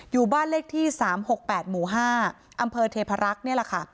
อยู่บ้านเลขที่๓๖๘หมู่๕อำเภอเทพรักษ์